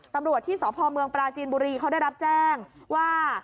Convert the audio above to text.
ตำรวจที่สพเมืองปราจีนบุรีเขาได้รับแจ้งว่า